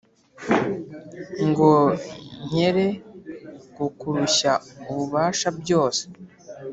ngo nkere kukurushya ubasha byose